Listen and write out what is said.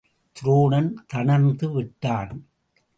துரோணன் தணர்ந்து விட்டான்.